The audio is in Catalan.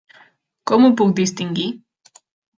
Com ho puc distingir?